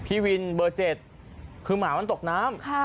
พี่วินเบอร์๗คือหมามันตกน้ำ